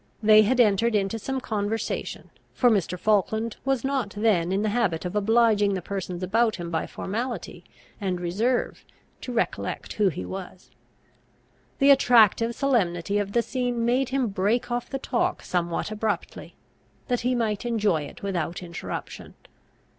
They had entered into some conversation, for Mr. Falkland was not then in the habit of obliging the persons about him by formality and reserve to recollect who he was. The attractive solemnity of the scene made him break off the talk somewhat abruptly, that he might enjoy it without interruption.